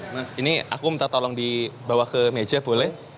nah ini aku minta tolong dibawa ke meja boleh